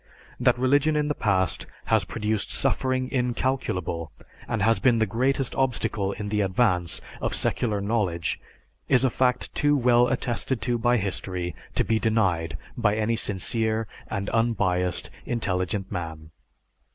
That religion in the past has produced suffering incalculable and has been the greatest obstacle in the advance of secular knowledge is a fact too well attested to by history to be denied by any sincere and unbiased intelligent man.